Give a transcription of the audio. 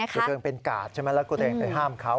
คือตัวเองเป็นกาดใช่ไหมแล้วก็ตัวเองไปห้ามเขา